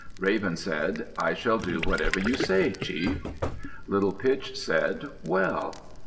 Raven said, "I shall do whatever you say, Chief." Little Pitch said, "Well!"